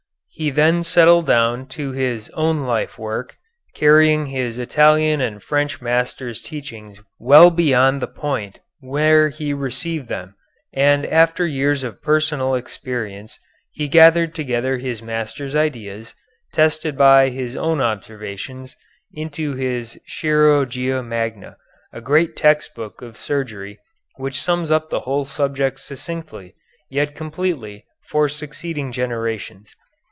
He then settled down to his own life work, carrying his Italian and French masters' teachings well beyond the point where he received them, and after years of personal experience he gathered together his masters' ideas, tested by his own observations, into his "Chirurgia Magna," a great text book of surgery which sums up the whole subject succinctly, yet completely, for succeeding generations.